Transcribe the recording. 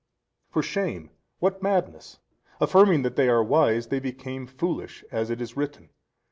A. For shame, what madness: affirming that they are wise they became foolish, as it is written.